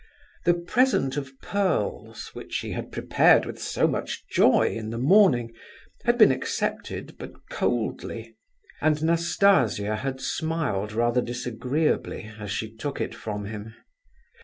The present of pearls which he had prepared with so much joy in the morning had been accepted but coldly, and Nastasia had smiled rather disagreeably as she took it from him.